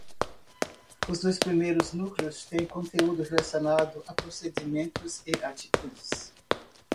Os dois primeiros núcleos têm conteúdo relacionado a procedimentos e atitudes.